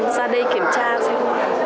ra đây kiểm tra xem